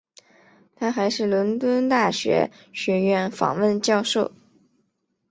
他还是伦敦大学学院访问教授。